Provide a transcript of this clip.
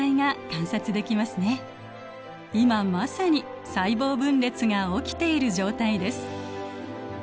今まさに細胞分裂が起きている状態です。